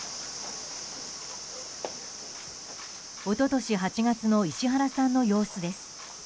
一昨年８月の石原さんの様子です。